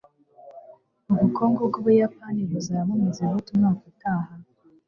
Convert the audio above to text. Ubukungu bw'Ubuyapani buzaba bumeze bute umwaka utaha?